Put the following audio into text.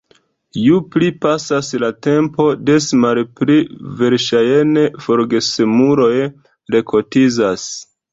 Ju pli pasas la tempo, des malpli verŝajne forgesemuloj rekotizas.